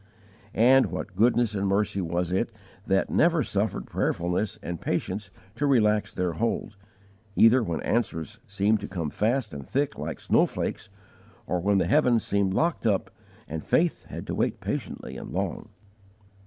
And what goodness and mercy was it that never suffered prayerfulness and patience to relax their hold, either when answers seemed to come fast and thick like snow flakes, or when the heavens seemed locked up and faith had to wait patiently and long!